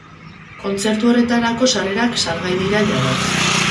Kontzertu horretarako sarrerak salgai dira jada.